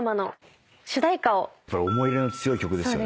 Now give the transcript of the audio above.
思い入れの強い曲ですよね。